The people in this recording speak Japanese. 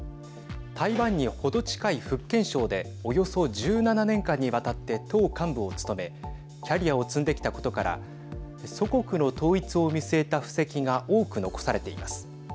台湾に、ほど近い福建省でおよそ１７年間にわたって党幹部を務めキャリアを積んできたことから祖国の統一を見据えた布石が多く残されています。